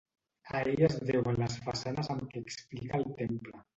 A ell es deuen les façanes amb què explica el temple.